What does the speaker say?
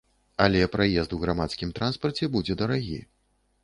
Але праезд у грамадскім транспарце будзе дарагі.